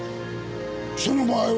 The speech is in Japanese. その場合は？